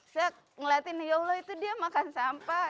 saya ngeliatin ya allah itu dia makan sampah